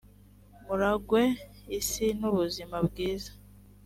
muragwe isi n’ubuzima bwiza